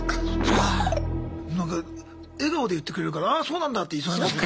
なんか笑顔で言ってくれるからああそうなんだって言いそうになる。